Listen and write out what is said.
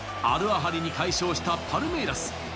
アルアハリに快勝したパルメイラス。